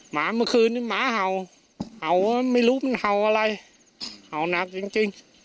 หมาเมื่อคืนนี้หมาเห่าเห่าไม่รู้มันเห่าอะไรเห่าหนักจริงจริง